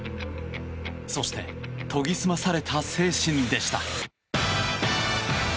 そして、研ぎ澄まされた精神でした。